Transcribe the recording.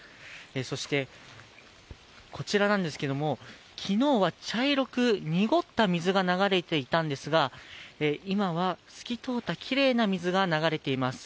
そしてこちらなんですけれども昨日は茶色く濁った水が流れていたんですけれども今は透き通ったきれいな水が流れています。